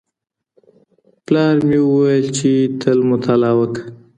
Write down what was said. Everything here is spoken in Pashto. پلار مې وویل چي تل مطالعه وکړه.